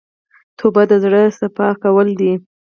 توبه د زړه صفا کول دي.